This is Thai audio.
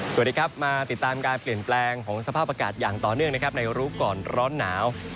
สวัสดีครับมาติดตามการเปลี่ยนแปลงของสภาพอากาศอย่างต่อเนื่องนะครับในรู้ก่อนร้อนหนาว